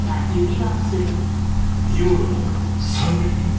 ミヨールの３連リング？